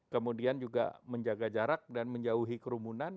kemudian juga menjaga jarak dan menjauhi kerumunan